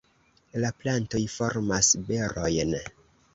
La plantoj formas berojn.